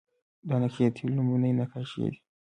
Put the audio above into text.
دا نقاشۍ د تیلو لومړنۍ نقاشۍ دي